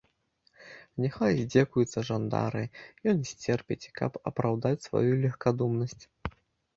Няхай здзекуюцца жандары, ён сцерпіць, каб апраўдаць сваю легкадумнасць.